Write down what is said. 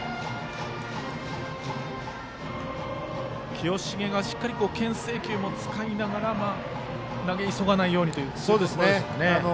清重がしっかりけん制球も使いながら投げ急がないようにというところでしょうか。